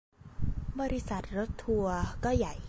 บริษัทรถทัวร์ก็ใหญ่